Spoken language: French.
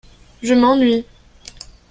Je m'ennuie.